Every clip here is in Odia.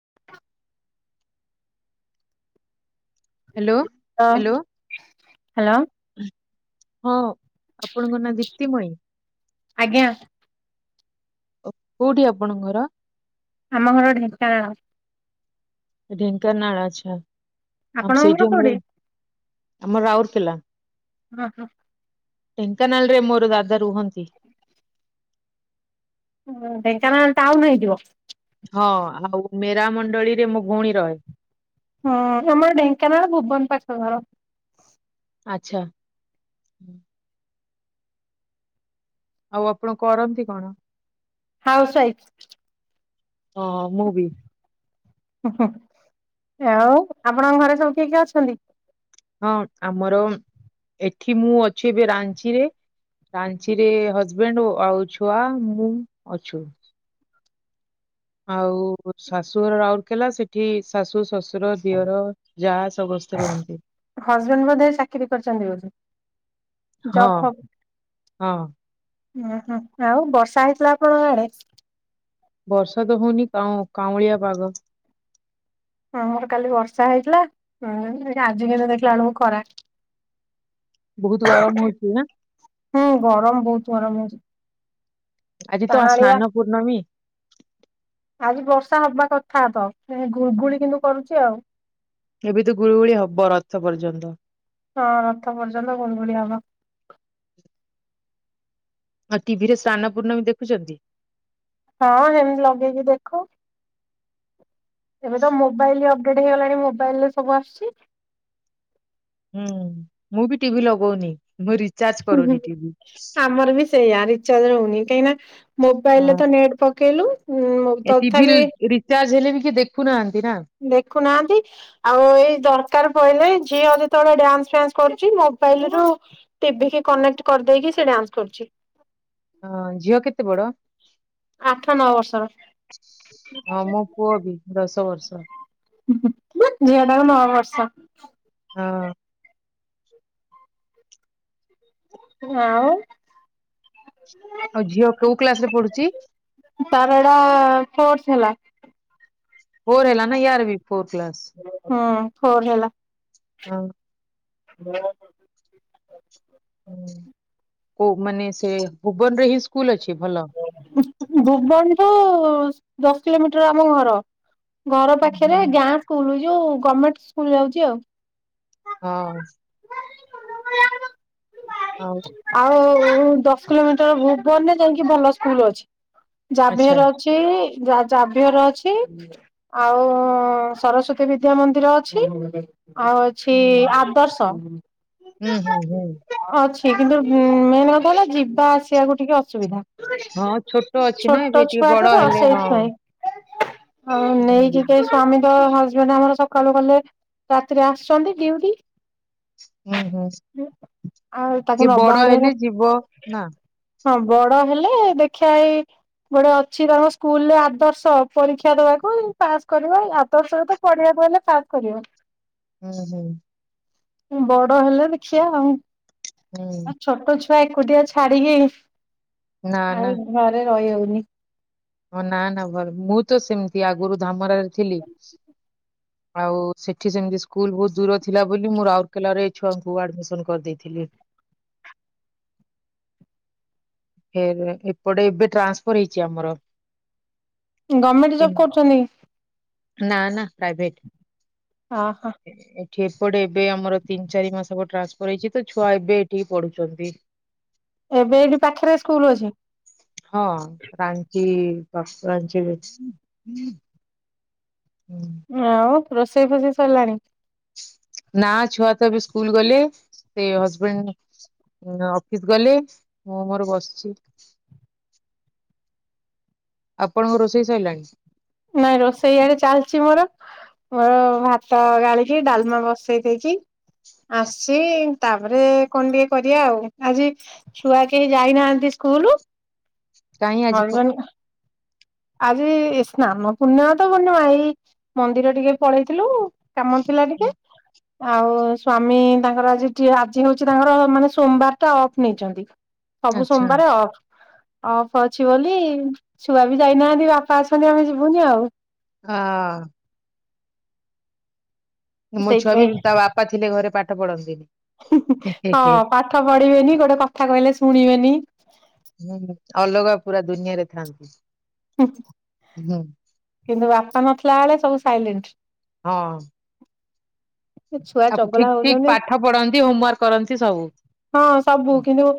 [inaudible] Hello hello hello. ହ୍ୟାଲୋ ହଁ ଆପଣଙ୍କ ନାଁ ଦିପ୍ତିମୟୀ? ଆଜ୍ଞା। କୋଉଠି ଆପଣଙ୍କ ଘର? ଆମ ଘର ଢେଙ୍କାନାଳ। ଢେଙ୍କାନାଳ ଝିଅ। ଆପଣଙ୍କ ଘର କୋଉଠି? ଆମର ରାଉଲକେଲା। ହଁ ହଁ। ଢେଙ୍କାନାଳ ରେ ମୋର ଦାଦା ରୁହନ୍ତି। ହଁ ଢେଙ୍କାନାଳ ଟାଉନ ହେଇଥିବ। ହଁ ଆଉ ମେରା ମଣ୍ଡଳୀରେ ମୋ ଭଉଣୀ ରହେ। ହଁ ଆମର ଢେଙ୍କାନାଳ ଭୁବନ ପାଖ ଘର। ଆଚ୍ଛା। ଆଉ ଆପଣ କରନ୍ତି କଣ? Housewife. ହଁ ମୁଁ ବି। ଆଉ ଆପଣଙ୍କ ଘରେ ସବୁ କିଏ କିଏ ଅଛନ୍ତି? ହଁ ଆମର, ଏଠି ମୁଁ ଅଛି ଏବେ ରାଞ୍ଚିରେ ରାଞ୍ଚିରେ ହଜବେଣ୍ଡ ଆଉ ଛୁଆ ମୁଁ ଅଛୁ। ଆଉ ଶାଶୁ ଘର ରାଉରକେଲା ସେଠି ଶାଶୁ ଶଶୁ ର, ଦିଅର ଯା ସମସ୍ତେ ରୁହନ୍ତି। ହଜବେଣ୍ଡ ବୋଧେ ଚାକିରି କରିଛନ୍ତି ବୋଧେ? ହଁ ଜବ୍ ହଁ। ହୁଁ ହୁଁ। ଆଉ ବର୍ଷା ହେଇଥିଲା ଆପଣଙ୍କ ଆଡେ? ବର୍ଷା ତ ହଉନି, କାଉଁ- କାଉଁଳିଆ ପାଗ। ହଁ ଆମର କାଲି ବର୍ଷା ହେଇଥିଲା। ହୁଁ ଆଜି କିନ୍ତୁ ଦେଖିଲା ବେଳକୁ ଖରା। ବହୁତ ଗରମ ହଉଛି ନା ହୁଁ, ଗରମ ବହୁତ ଗରମ ହଉଛି। ଆଜି ତ କାଆଁଳିଆ ସ୍ନାନ ପୂର୍ଣମୀ। ଆଜି ବର୍ଷା ହବା କଥା ତ। ଗୁଳ, ଗୁଳି କିନ୍ତୁ କରୁଛି ଆଉ। ଏବେ ତ ଗୁଳିୁ, ଗୁଳି ହବ ରଥ ପର୍ଯ୍ୟନ୍ତ। ହଁ ରଥ ପର୍ଯ୍ୟନ୍ତ ଗୁଳୁଗୁଳି ହବ। ଆଉ ଟିଭି ରେ ସ୍ନାନ ପୂର୍ଣ୍ଣମୀ ଦେଖୁଛନ୍ତି? ହଁ ହେମିତି ଲଗେଇକି ଦେଖୁ। ଏବେ ତ ମୋବାଇଲ ଅପଡେଟ ହେଇଗଲାଣି ମୋବାଇଲରେ ସବୁ ଆସୁଛି। ହୁଁ ମୁଁ ବି ଟିଭି ଲଗଉନି। ମୁଁ ରିଚାର୍ଜ କରୁନି ଟିଭି ଆମର ବି ସେଇଆ ରିଚାର୍ଜ ରହୁନି କାହିଁକି ନା ହଁ, ମୋବାଇଲରେ ତ ନେଟ ପ ଏ ଟିଭି ରିଚାର୍ଜ ହେଲେ ବି କିଏ ଦେଖୁନାହାନ୍ତି। ନା ଦେଖୁନାହାନ୍ତି ଆଉ ଏଇ ଦରକାର ପଇଲେ। ଝିଅ ଯେତେବେଳେ ଡ୍ୟାନ୍ସ ଫାନ୍ସ କରୁଛି। ମୋବାଇଲ ରୁ ଟିଭି କି କନେକ୍ଟ କରିଦେଇକି ସେ ଡ୍ୟାନ୍ସ କରୁଛି। ହଁ ଝିଅ କେତେ ବଡ? ଆଠ ନଅ ବର୍ଷର ହଁ ମୋ ପୁଅ ବି ଦଶ ବର୍ଷ ଝିଟାକୁ ନଅ ବର୍ଷ। ହଁ। ହଁ। ଆଉ ଝିଅ କୋଉ କ୍ଲାସ ରେ ପଢୁଛି? ତାର ଏଟା ଫୋଥ ହେଲା। ଫୋର ହେଲା ନା ୟାରବି ଫୋର୍ କ୍ଲାସ୍? ହୁଁ ଫୋର ହେଲା। ହଁ। ହଁ। କୋଉ ମାନେ ସେ ଭୁବନରେ ହି ସ୍କୁଲ ଅଛି। ଭଲ। ଭୁବନଠୁ ଦଶ କିଲୋମିଟର ଆମ ଘର। ଘର ହୁଁ ପାଖରେ ହୁଁ। ଗାଁ ସ୍କୁଲ ଯୋଉ ଗଭମେଣ୍ଟ ସ୍କୁଲ ଯାଉଛି ଆଉ। ହଁ। ଆଉ ଆଉ ଦଶ କିଲୋମିଟର ଭୁବନରେ ଯ ଭଲ ସ୍କୁଲ ଅଛି ଆଚ୍ଛା ଜାଭେର ଅଛି ଯ ଜାଭହର ଅଛି ଆଉ ସରସ୍ଵତୀ ବିଦ୍ୟା ମନ୍ଦିର ଅଛି ଆଉ ଅଛି ହୁଁ ଆଦର୍ଶ ହୁଁ ହୁଁ ହୁଁ ଅଛି। କିନ୍ତୁ ମେନ୍ କଥା ହେଲା ଯିବା ଆସିବାକୁ ଟିକେ ଅସୁବିଧା। ହଁ ଛୋଟ ଅଛି ନା ଛୋଟ ଏବେ ଟିକେ ବଡ ଛୁଆଟ ତ ହେଲେ ହଁ ସେଇଥି ପାଇଁ। ହଁ ହୁଁ ନେଇକି କେହି ସଵାମୀ ହଜବେଣ୍ଡ ଆମର ସକାଳୁ ଗଲେ ରାତିରେ ଆସିଛନ୍ତି ଡିଉଟି ହୁଁ ହୁଁ। ଆଉ ତାକୁ ନବା ଆଣିବା ହଁ ବଡ ହେଲେ ଦେଖିବା ଏଇ ଗୋଟେ ଅଛି ତାଙ୍କ ସ୍କୁଲ ରେ ଆଦର୍ଶ ପରୀକ୍ଷା ଦବାକୁ ପାସ୍ କରିବା ଆଦର୍ଶ ତ ପଆ ଲେ ପାସ କରିବ। ହୁଁ ହୁଁ। ବଡ ହେଲା ଦେଖିଆ ଆଉ ହୁଁ ଆ ଛୋଟ ଛୋ ଏକୁଟିଆ ଛାଡିକି ନା ନା ଆଉ ଘରେ ରହି ହଉନି। ସେ ଆଗରୁ ଧାମରାରେ ଥିଲି ଆଉ ସେଠି ସେମିତି ସ୍କୁଲ ବହୁତ ଦୂର ଥିଲା ବୋଲି ମୁଁ ରାଉରକେଲାରେ ଏ ଛୁଆଙ୍କୁ ଆଡମିସନ କରିଦେଇଥିଲି। [inaudible] ଫ ଏପଟେ ଏବେ ଟ୍ରାନ୍ସଫର୍ ହେଇଛି ଆମର। ଗଭର୍ଣ୍ଣମେଣ୍ଟ ଜବ ତିନ- କରୁଛନ୍ତି? ନା ନା ପ୍ରାଇଭେଟ। ହ ହ। ଏଠି ଏପଟେ ଏବେ ଆମର ତିନି ଚାରି ମାସ ଟ୍ରାନ୍ସଫର୍ ହେଇଛି, ତ ଛୁଆ ଏବେ ଏଠିକି ପଢୁଛନ୍ତି। ଏବେ ଏଇଠି ପାଖରେ ସ୍କୁଲ ଅଛି? ହଁ ରାଞ୍ଚି ଦଶ ଇଞ୍ଚରେ ଆଉ ରୋଷେଇ ଫୋଷେଇ ସରିଲାଣି? ନା ଛୁଆ ତ ଏବେ ସ୍କୁଲ ଗଲେ ସେ ହସବେଣ୍ଡ ଉ ଅଫିସ ଗଲେ ମୁଁ ମୋର ବସିଛି। ଆପଣଙ୍କ ରୋଷେଇ ସାରିଲାଣି? ନାଇଁ ରୋଷେଇ ଆଡେ ଚାଲିଛି ମୋର ମୋର ଭାତ ଗାଳିଛି ଡାଲମା ବସେଇ ଦେଇଛି ଆସ ତାପରେ କଣ ଟିକେ କରିବା ଆଉ ଆଜି ଛୁଆ କେହି ଯାଇନାହାନ୍ତି ସ୍କୁଲ କହିଁ ଆଜି କ ହଜବେଣ୍ଡ ଆଜି ସ୍ନାନ ପୂର୍ଣ୍ଣମା ତ ବ ଏଇ ମନ୍ଦିର ଟିକେ ପଳେଇଥିଲୁ। କାମ ଥିଲା ଟିକେ ଆଉ ସ୍ଵାମୀ ତାଙ୍କର ଆଜି ଟେ ଆଜି ହଉଛି ତାଙ୍କର ମାନେ ସୋମବାର ଟା ଅଫ୍ ନେଇଛନ୍ତି। ସବୁ ଆଚ୍ଛା ସୋମବାର ଅଫ ଅଫ୍ ଅଛି ବୋଲି ଛୁଆ ଯାଇନାହାନ୍ତି ବାପା ଅସଛନ୍ତି ଆମେ ଯିବୁନି ଆଉ ହଁ ମୋ ଛୁଆବି ସେଇଥିପାଇଁ ତା ବାପା ଥିଲେ ଘରେ ପାଠ ପଢନ୍ତିନି ହେ ହେ ହଁ ହେ ପାଠ ପଢିବେନି ଗୋଟେ କଥା କହିଲେ ଶୁଣିବେନି ହୁଁ ଅଲଗା ପୁରା ଦୁନିଆରେ ଥାଆନ୍ତି। କିନ୍ତୁ ବାପା ନଥିଲା ବେଳେ ସବୁ ସାଇଲେଣ୍ଟ ହଁ ଛୁଆ ଆପଣ ଚଗଲା ଠିକ ଠିକ ହଉଛନ୍ତି ପାଠ ପଢନ୍ତି ହୋମୱାର୍କ କରନ୍ତି ସବୁ ହଁ ସବୁ କିନ୍ତୁ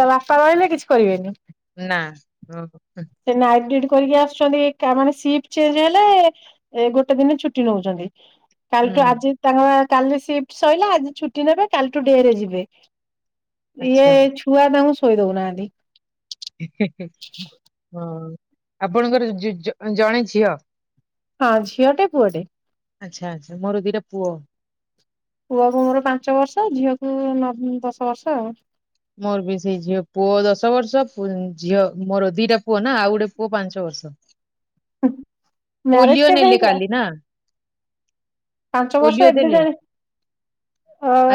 ତା ବାପା ରହିଲେ କିଛି କରିବେନି ନା ହଁ। ସେ ନାଇଟ ଡିଉଟି କରିକି ଆସୁଛନ୍ତି କାମରେ ସିପ୍ ଚେଞ୍ଜ ହେଲେ ଏ ଗୋଟେ ଦିନ ଛୁଟି ନଉଛନ୍ତି। କାଲି ହୁଁ ଠୁ ଆଜି ତାଙ୍କ କାଲି ସିଫ୍ଟ ସରିଲା ଆଜି ଛୁଟି ନେବେ କାଲିଠୁ ଡେ ରେ ଯିବେ। ଇଏ ଆଚ୍ଛା ଛୁଆ ତାଙ୍କୁ ଶୋଇ ଦଉନାହାନ୍ତି। ହଁ ଆପଣଙ୍କର ଜଣେ ଝିଅ? ହଁ ଝିଅ ଟେ ପୁଅଟେ। ଆଛା ଆଛା ମୋର ଦି'ଟା ପୁଅ। ପୁଅକୁୁ ମୋର ପାଞ୍ଚ ବର୍ଷ ଝିଅକୁ ଦଶ ବର୍ଷ ଆଉ। ମୋର ବି ସେଇ ଝିଅ ପୁଅ ଦଶ ବର୍ଷ ଝିଅ ମୋର ଦିଟା ପୁଅ ନା ଆଉ ଗୋଟେ ପୁଅ ପାଞ୍ଚ ବର୍ଷ। ମ୍ୟାରେଜ ପୋଲିଓ କେବେ ନେଲେ ହେଇଥିଲା କାଲି ନା। ପାଞ୍ଚ ବର୍ଷ ପୋଲିଓ ଏବେ ଦେଲେ ଜାଏଁ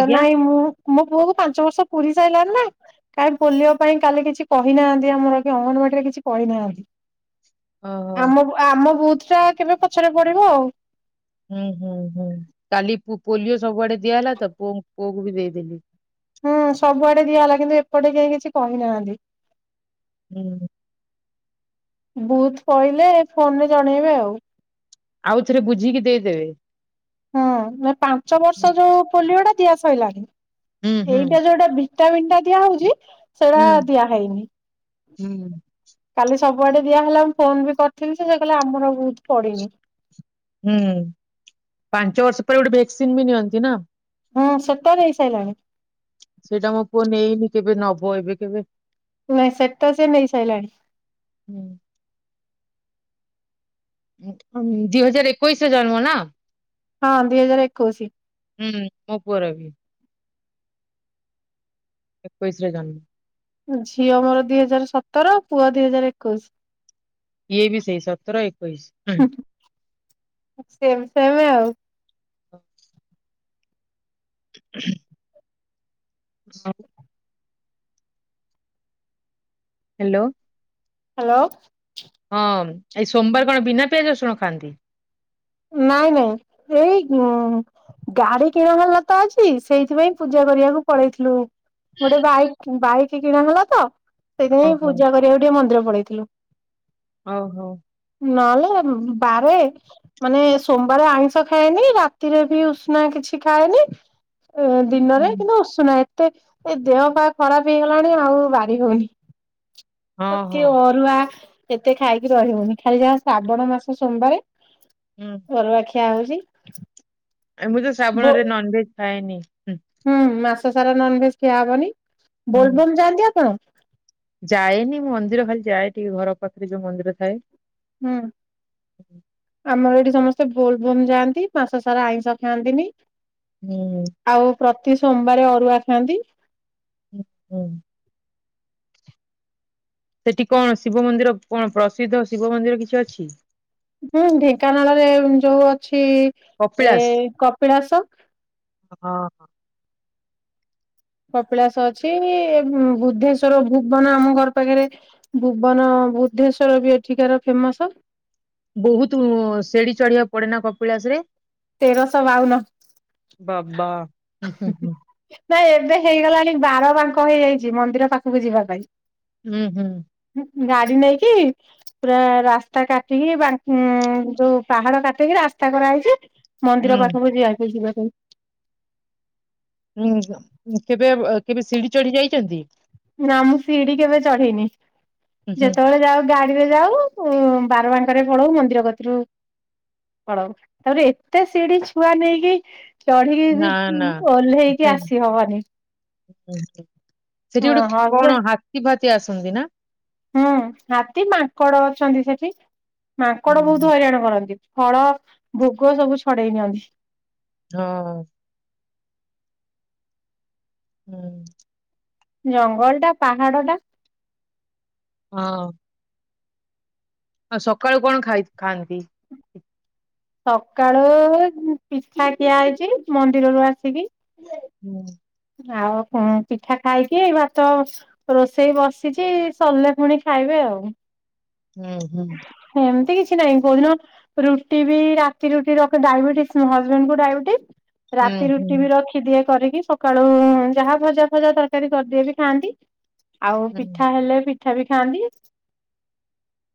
ଆଜ୍ଞା ନାଇଁ ମୁଁ ମୋ ପୁଅ କୁ ପାଞ୍ଚ ବର୍ଷ ପୁରୀ ସାରିଲଣିି ନା। କାହିଁ ପୋଲିଓ ପାଇଁ କାଲି କିଛି କହିନାହାନ୍ତି ଆମର କି ଅଙ୍ଗନବାଡ଼ିରେ କିଛି କହିନାହାନ୍ତି। ଓହୋ ଆମ ଆମ ବୁଥ ଟା କେବେ ପଛରେ ପଡିବ ଆଉ। ହୁଁ ହୁଁ ହୁଁ କାଲି ପୋଲିଓ ସବୁଆଡେ ଦିଆହେଲା ତ ପୁଅ ପୁଅକୁ ବି ଦେଇଦେଲି। ହୁଁ ସବୁଆଡେ ଦିଆହଲା କିନ୍ତୁ ଏପଟେ କେହି କିଛି କହିନାହାନ୍ତି। ହୁଁ। ବୁଥ ପଇଲେ ଫୋନ ରେ ଜଣେଇବେ ଆଉ। ଆଉ ଥରେ ବୁଝିକି ଦେଇଦେବେ। ହୁଁ ନାଇଁ ପାଞ୍ଚ ବର୍ଷ ଯୋଉ ପୋଲିଓ ଟା ଦିଆ ସରିଲାଣି ହୁଁ ହୁଁ ଏଇଟା ଯୋଉଁଟା ଭିଟାମିନ୍ ଟା ଦିଆ ହଉଛି ସେଟା ହୁଁ ଦିଆହଇନି ହୁଁ କାଲି ସବୁଆଡେ ଦିଆହେଲା ମୁଁ ଫୋନ ବି କରିଥିଲି ସେ ସେ କହିଲେ ଆମର ବୁଥ୍ ପଡିିନି। ହୁଁ ପାଞ୍ଚ ବର୍ଷ ପରେ ଗୋଟେ ଭେକ୍ସିନ ବି ନିଅନ୍ତି ନା? ହଁ ସେଟା ନେଇସାରିଲାଣି। ସେଇଟା ମୋ ପୁଅ ନେଇନି କେବେ ନବ ଏବେ କେବେ। ନାଇଁ ସେଟା ସେ ନେଇ ସାଇଲାଣି। ଦୁଇ ହଜାର ଏକୋଇଶରେ ଜନ୍ମ ନା? ହଁ ଦି ହଜାର ଏକୋଇଶି। ହୁଁ, ମୋ ପୁଅର ବି। ଏକୋଇଶରେ ଜନ୍ମ। ଝିଅ ମୋର ଦିଇ ହଜାର ସତର ପୁଅ ଦିଇ ହଜାର ଏକୋଇଶ। ଇଏ ବି ସେଇ ସତର ଏକୋଇଶ। ସେମ ସେମ ଆଉ। [unintelligible] [unintelligible] [unintelligible] ହ୍ୟାଲୋ। ହ୍ୟାଲୋ। ହଁ ଏଇ ସୋମବାର କଣ ବିନା ପିଆଜ ରସୁଣ ଖାଆନ୍ତି? ନାଇଁ ନାଇଁ ଏଇ ଗାଡି କିଣା ହେଲା ତ ଆଜି ସେଇଥିପାଇଁ ପୂଜା କରିବାକୁ ପଳେଇଥିଲୁ। ଗୋଟେ ବାଇକ୍ ବାଇକ୍ କିଣା ହେଲା ତ ସେଇଥିିପାଇଁ ଓହୋ ପୂଜା କରିବାକୁ ଟିକେ ମନ୍ଦିର ପଳେଇଥିଲୁ। ଓହୋ। ନହେଲେ ବାରେ ମାନେ ସୋମବାର ଆଇିଁଷ ଖାଏନି ରାତିରେ ବି ଉଷୁନା କିଛି ଖାଏନି ଏ ହୁଁ ଦିନରେ କିନ୍ତୁ ଉସୁନା ତ ଏ ଦେହ ପା ଖରାପ ହେଇଗଲାଣି ଆଉ ବାରି ହଉନି। ହଁ କି ହଁ ଅରୁଆ ଏତେ ଖାଇକି ରହିହଉନି ଖାଲି ଯାହା ଶ୍ରାବଣ ମାସ ସୋମବାର ହୁଁ ଅରୁଆ ଖିଆ ହଉଚି। ଏମୀତି ଶ୍ରାବଣରେ ନନ୍ ଭେଜ୍ ଖାଏନି। ମାସସାରା ନନ୍ ଭେଜ ଖିଆ ହବନି। ହୁଁ ବୋଲବୋମ୍ ଯାଆନ୍ତି ଆପଣ? ଯାଏନି ମନ୍ଦିର ଖାଲି ଯାଏ। ଟିକେ ଘର ପାଖରେ ଯୋଉ ମନ୍ଦିର ଥାଏ। ହୁଁ ଆମର ଏଠି ସମସ୍ତେ ବୋଲବୋମ୍ ଯାଆନ୍ତି। ମାସ ସାରା ଆଇଁଷ ଖାଆନ୍ତିନି ହୁଁ। ଆଉ ପ୍ରତି ସୋମବା୍ରେ ଅରୁଆ ଖାଆନ୍ତି। ହ ହୁଁ। ସେଠି କଣ ଶିବ ମନ୍ଦିର କଣ ପ୍ରସିଦ୍ଧ ଶିବ ମନ୍ଦିର କିଛି ଅଛି? ହୁଁ ଢେଙ୍କାନାଳ ରେ ଯୋଉ ଅଛି ଏଠି ଏ କପିଳାସ? କପିଳାଶ ହଁ। କପିଳାସ ଅଛି ବୁଦ୍ଧେଶ୍ଵର ଭୁବନ ଆମ ଘର ପାଖରେ ଭୁବନ ଆଉ ବୁଦ୍ଧେଶ୍ଵର ବି ଏଠିକାର ଫେମସ। ବହୁତ ସେଡି ଚଢିବାକୁ ପଡେନା କପିଳାସ ରେ? ତେରଶ ବାଉନ। ବାବା। ହୁଁ ହୁଁ ହୁଁ ନାଇଁ ଏବେ ହେଇଗଲାଣି ବାର ବାଙ୍କ ହେଇଯାଇଛି ମନ୍ଦିର ପାଖକୁ ଯିବା ପାଇଁ। ହୁଁ ହୁଁ। ଗାଡି ନେଇକି ପୁରା ରାସ୍ତା କାଟିକି ବା ଯୋଉ ପାହାଡ କାଟିକି ରା ରାସ୍ତା କରାହେଇଛି ମନ୍ଦିର ହୁଁ ପାଖକୁ ଯିବାକୁ ଯିବା ପାଇଁ। ହୁଁ ଉଁ କେବେ କେବେ ସିଢି ଚଢି ଯାଇଚନ୍ତି? ନା ମୁଁ ସିଡି କେବେ ଚଢିନି ହୁଁ, ହୁଁ, ଯେତେବେଳେ ଯାଉ ଗାଡିରେ ଯାଉ ବାର ବାଙ୍କରେ ପଳଉ ମନ୍ଦିର କତିରୁ କଣ ତାପରେ ଏତେ ସିଡି ଛୁଆ ନେଇକି ନା ଚଢିକିରି ନା ଓହ୍ଲେଇକି ହେ, ଆସିହବନି। ସେଠି ଗୋଟେ କଣ ହଜବେଣ୍ଡ ହାତୀ ଫାତି ଆସନ୍ତି ନା? ହୁଁ ହାତୀ ମାଙ୍କଡ ଅଛନ୍ତି ସେଠି ମାଙ୍କଡ ହୁଁ ବହୁତ ହଇରାଣ କରନ୍ତି। ଫଳ ଭୋଗ ସବୁ ଛଡେଇ ନିିଅନ୍ତି। ହଁ। ହୁଁ। ଜଙ୍ଗଲ ଟା ପାହାଡ ଟା ହଁ। ଆଉ ସକାଳୁ କଣ ଖାଇ ଖାନ୍ତି? ସକାଳୁ ପିଠା ଖିଆ ହେଇଚି ମନ୍ଦିରରୁ ଆସିକି। ହୁଁ। ଆଉ କଣ ପିଠା ଖାଇକି ଭାତ ରୋଷେଇ ବସିଚି ସରିଲେ ପୁଣି ଖାଇବେ ହଉ [unintelligible] ହୁଁ ହୁଁ। କି ନାଇଁ କୋଉଦିନ ରୁଟି ବି ରାତି ରୁଟି ରଖ ଡାଇବେଟିସ ମୋ ହଜବେଣ୍ଟ କୁ ଡାଇବେଟିସ୍ ହୁଁ ରାତି ହୁଁ ରୁଟି ବି ରଖିଦିଏ କରିକି ସ କାଳୁ ଯାହା ଭଜା ଫଜା ତରକାରୀ କରିଦିଏ ବି ଖାଆନ୍ତି ଆଉ ହୁଁ ପିଠା ହେଲେ ପି ପିଠା ବି ଖାଆନ୍ତି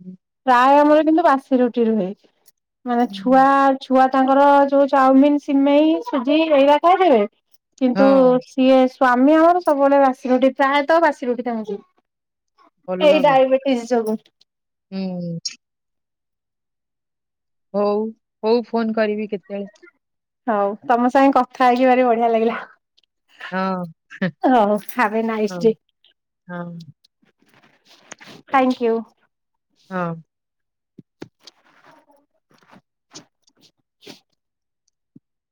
ହୁଁ ପ୍ରାୟ ଆମର କିନ୍ତୁ ବାସି ରୁଟି ରୁହେ। ମାନେ ଛୁଆ ହୁଁ। ଛୁଆ ତାଙ୍କର ଯୋଉ ଚାଉମିିନ, ସିମେଇ, ସୁଜି ଏଇରା ଖାଇବେ କିନ୍ତୁ ହଁ ସିଏ ସ୍ଵାମୀ ଆମର ସବୁବେଳେ ବାସି ରୁଟି ପ୍ରାୟତଃ ବାସି ରୁଟି ତାଙ୍କୁ ଦିଏ। ଭଲ ଏଇ ବି ଡାଇବେଟିସ୍ ଯୋଗୁଁ। ହୁଁ। ହଉ ହଉ ଫୋନ କରିବି କେତେବେଳେ। ହଉ ତମ ସାଙ୍ଗେ କଥା ହେଇକି ଭାରି ବଢିଆ ଲାଗିଲା। ହଁ ହଁ ହାବ୍ ଏ ନାଇସ୍ ହଁ ଡେ। ହଁ ଥ୍ୟାଙ୍କ ୟୁ। ହଁ। [inaudible]